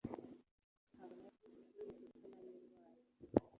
Ntabwo nari ku ishuri, kuko nari ndwaye.